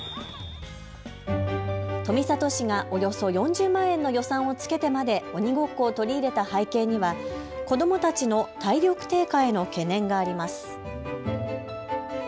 富里市がおよそ４０万円の予算をつけてまで鬼ごっこを取り入れた背景には子どもたちの体力低下への懸念があります。